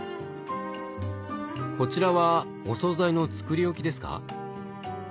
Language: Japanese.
こちらはお総菜の作り置きですか？